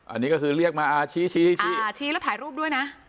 อันนี้ก็คือเรียกมาชี้ชี้แล้วถ่ายรูปด้วยนะ